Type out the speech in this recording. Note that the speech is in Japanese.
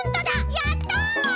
やった！